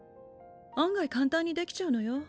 案外簡単にできちゃうのよ。